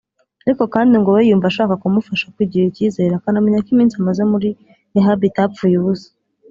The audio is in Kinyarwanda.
ariko kandi ngo we yumva ashaka kumufasha kwigirira icyizere akanamenya ko iminsi amaze muri Rehab itapfuye ubusa